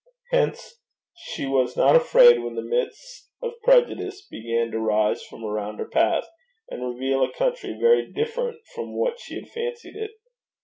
Hence she was not afraid when the mists of prejudice began to rise from around her path, and reveal a country very different from what she had fancied it.